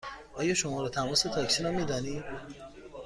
آیا شماره تماس تاکسی را می دانید؟